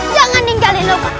jangan ninggalin lupa